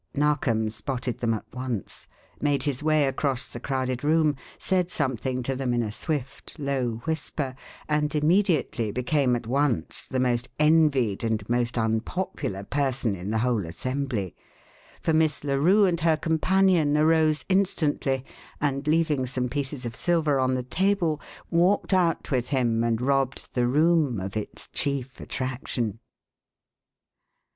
Narkom spotted them at once, made his way across the crowded room, said something to them in a swift, low whisper, and immediately became at once the most envied and most unpopular person in the whole assembly; for Miss Larue and her companion arose instantly and, leaving some pieces of silver on the table, walked out with him and robbed the room of its chief attraction.